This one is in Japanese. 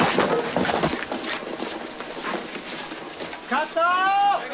カット！